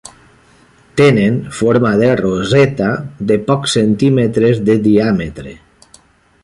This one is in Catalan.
Tenen forma de roseta de pocs centímetres de diàmetre.